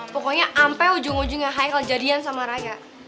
pokoknya ampe ujung ujungnya haikal jadian sama raya